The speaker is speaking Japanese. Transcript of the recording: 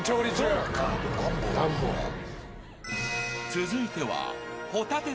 ［続いては］